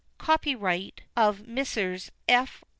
(Copyright of MESSRS. F.